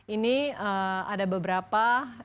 ini ada beberapa